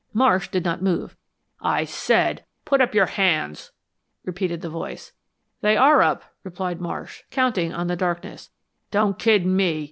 Marsh did not move. "I said, put up your hands," repeated the voice. "They are up," replied Marsh, counting on the darkness. "Don't kid me!"